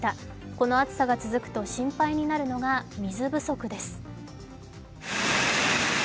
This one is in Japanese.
この暑さが続くと心配になるのが水不足です。